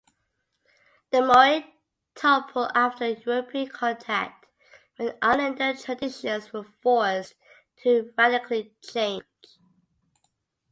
The moai toppled after European contact, when islander traditions were forced to radically change.